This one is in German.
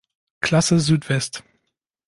Klasse Südwest.